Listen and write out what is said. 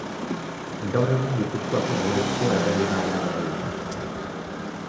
Gaur egun Gipuzkoako Ohorezko Erregionalean dabil.